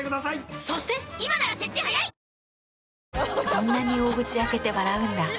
そんなに大口開けて笑うんだ。